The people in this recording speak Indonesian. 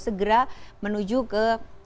segera menuju ke